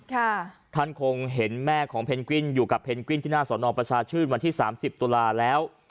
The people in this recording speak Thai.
ท่านคงเห็นแม่ของเพนกวินอยู่กับเพนกวินที่หน้าสอนอประชาชื่นวันที่สามสิบตุลาแล้ว